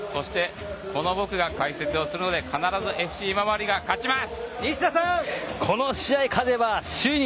そして、この僕が解説するので必ずＦＣ今治が勝ちます。